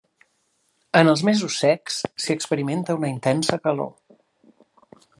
En els mesos secs s'hi experimenta una intensa calor.